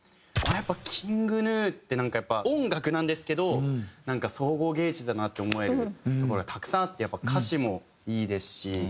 ＫｉｎｇＧｎｕってなんかやっぱ音楽なんですけど総合芸術だなって思えるところがたくさんあって歌詞もいいですし音楽も。